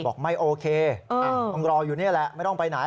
บอกไม่โอเคต้องรออยู่นี่แหละไม่ต้องไปไหน